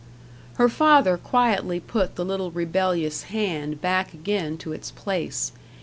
Her father quietly put the little rebellious hand back again to its place.